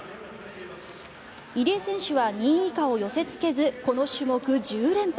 入江選手は２位以下を寄せつけずこの種目１０連覇。